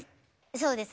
そうです。